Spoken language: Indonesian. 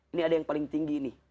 ini ada yang paling tinggi nih